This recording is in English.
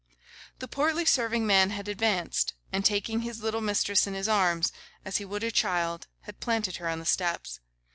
The portly serving man had advanced, and, taking his little mistress in his arms, as he would a child, had planted her on the steps.